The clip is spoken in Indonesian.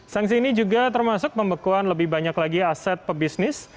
sanksi ini juga termasuk pembekuan lebih banyak lagi aset pebisnis